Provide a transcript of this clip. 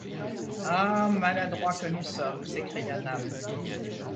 Ah! maladroits que nous sommes ! s’écria Nab.